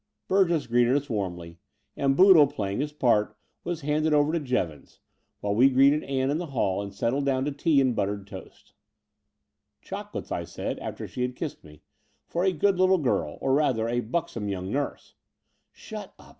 Burgess greeted us all warmly ; and Boodle, play ing his part, was handed ova: to Jevons, while we if 2i6 The Door of the Unreal greeted Ann in the hall and settled down to tea and buttered toast. ''Chocolates," I said, after she had kissed me, *'for a good little girl, or, rather, a buxom young nurse/' "Shut up.